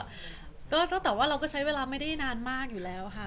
ติดเหมือนกันก็แต่ว่าเราก็ใช้เวลาไม่ได้นานมากอยู่แล้วค่ะ